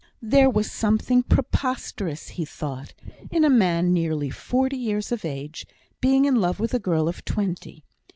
There was something preposterous, he thought, in a man nearly forty years of age being in love with a girl of twenty.